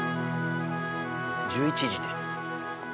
１１時です。